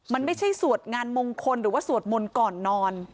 มันไม่ใช่สวดงานมงคลหรือว่าสวดมนต์ก่อนนอน